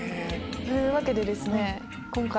というわけでですね今回。